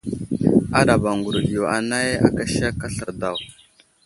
Aɗaba ŋgurəɗ yo anay aka sek aslər daw.